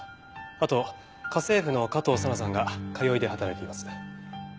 あと家政婦の加藤佐奈さんが通いで働いています。